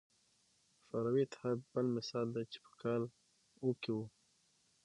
شوروي اتحاد بل مثال دی چې په کال او کې وو.